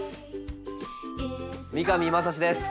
三上真史です。